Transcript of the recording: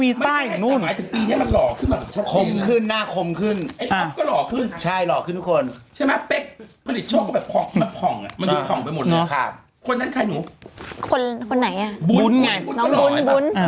ไม่ใครหนูคนคนไหนอ่ะบุ้นไง